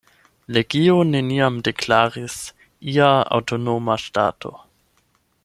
Legio neniam deklaris ia aŭtonoma ŝtato.